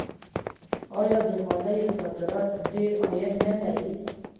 آیا د غالیو صادرات ډیر عاید نلري؟